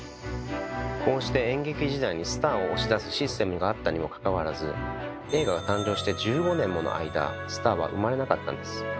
こうして演劇時代にスターを押し出すシステムがあったにもかかわらず映画が誕生して１５年もの間スターは生まれなかったんです。